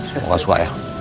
semoga suka ya